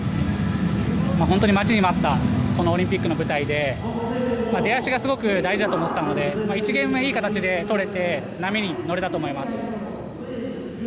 待ちに待ったこのオリンピックの舞台で出足がすごく大事だと思っていたので１ゲーム目いい形で取れて波に乗れたと思います。